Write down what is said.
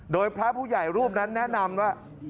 โดยพระผู้ใหญ่รูปนั้นแนะนำว่า